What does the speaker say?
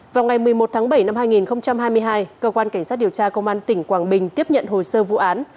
vào ngày một mươi một tháng bảy năm hai nghìn hai mươi hai cơ quan cảnh sát điều tra công an tỉnh quảng bình tiếp nhận hồ sơ vụ án